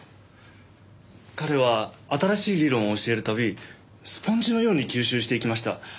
彼は新しい理論を教えるたびスポンジのように吸収していきました。